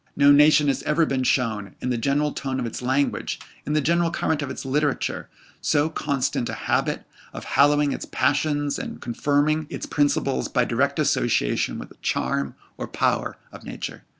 No nation has ever before shown, in the general tone of its language in the general current of its literature so constant a habit of hallowing its passions and confirming its principles by direct association with the charm, or power, of nature.